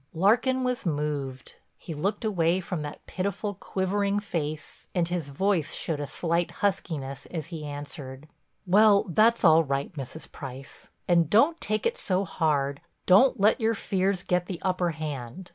Larkin was moved. He looked away from that pitiful, quivering face and his voice showed a slight huskiness as he answered: "Well, that's all right, Mrs. Price—and don't take it so hard, don't let your fears get the upper hand.